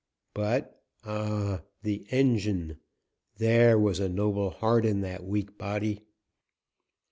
But, ah! the engine! There was a noble heart in that weak body!